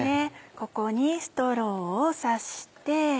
ここにストローを挿して。